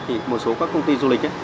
thì một số các công ty du lịch ấy